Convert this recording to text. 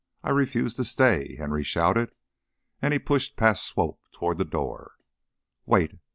I refuse to stay," Henry shouted, and he pushed past Swope toward the door. "Wait!"